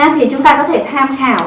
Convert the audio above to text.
thì chúng ta có thể tham khảo